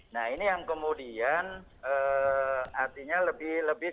nah ini yang kemudian artinya lebih lebih